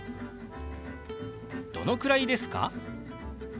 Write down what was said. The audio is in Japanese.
「どのくらいですか？」。